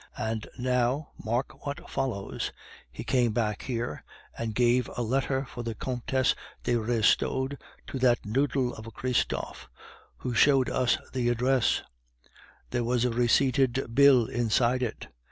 And now, mark what follows he came back here, and gave a letter for the Comtesse de Restaud to that noodle of a Christophe, who showed us the address; there was a receipted bill inside it.